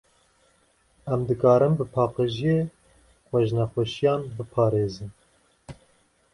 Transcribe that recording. Em dikarin bi paqijiyê, xwe ji nexweşiyan biparêzin.